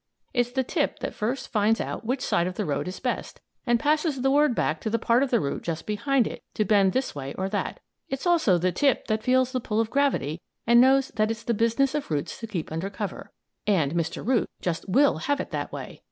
It's the tip that first finds out which side of the road is best, and passes the word back to the part of the root just behind it to bend this way or that. It's also the tip that feels the pull of gravity and knows that it's the business of roots to keep under cover. And Mr. Root just will have it that way!